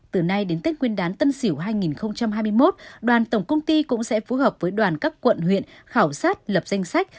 từ nay đến tết nguyên đán tân sỉu hai nghìn hai mươi một đoàn tổng công ty cũng sẽ phù hợp với đoàn các quận huyện khảo sát lập danh sách